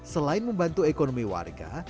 selain membantu ekonomi warga